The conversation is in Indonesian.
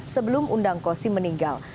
sebelum undang kosim meninggal